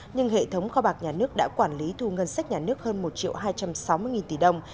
nhưng hệ thống kho bạc nhà nước đã quản lý thu ngân sách nhà nước hơn một hai trăm sáu mươi tỷ đồng